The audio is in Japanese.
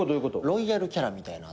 ロイヤルキャラみたいな。